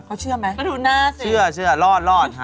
เขาเชื่อไหมก็ดูหน้าสิเชื่อรอดฮะ